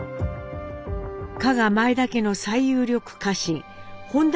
加賀前田家の最有力家臣本多